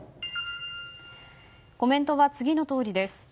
コメントは次のとおりです。